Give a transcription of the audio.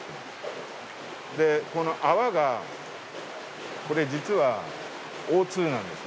でこの泡がこれ実はＯ２なんです